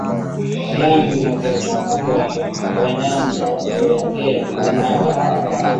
vyangu na kuwachukua wanangu tukaelekea kwa mama